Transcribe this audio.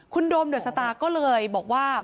คุณโดมเดอะสตาร์ก็เลยบอกว่า